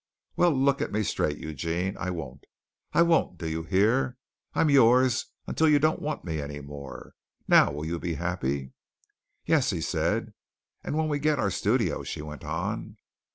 "Well, look at me straight, Eugene. I won't. I won't, do you hear? I'm yours until you don't want me anymore. Now will you be happy?" "Yes," he said. "And when we get our studio," she went on.